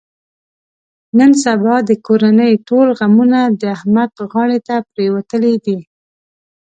نن سبا د کورنۍ ټول غمونه د احمد غاړې ته پرېوتلي دي.